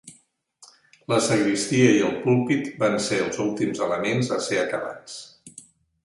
La sagristia i el púlpit van ser els últims elements a ser acabats.